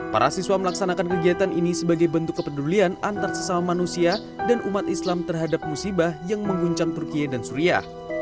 para siswa melaksanakan kegiatan ini sebagai bentuk kepedulian antar sesama manusia dan umat islam terhadap musibah yang mengguncang turkiye dan suriah